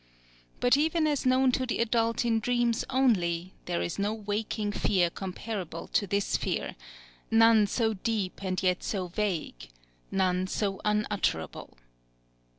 But even as known to the adult in dreams only, there is no waking fear comparable to this fear, none so deep and yet so vague, none so unutterable.